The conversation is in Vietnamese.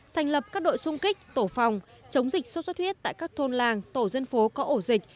thành lập các đội xung kích tổ phòng chống dịch sốt xuất huyết tại các thôn làng tổ dân phố có ổ dịch